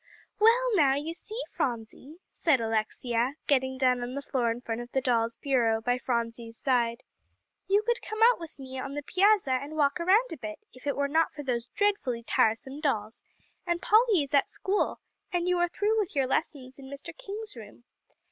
"Well, now, you see, Phronsie," said Alexia, getting down on the floor in front of the doll's bureau, by Phronsie's side, "you could come out with me on the piazza and walk around a bit if it were not for these dreadfully tiresome dolls; and Polly is at school, and you are through with your lessons in Mr. King's room.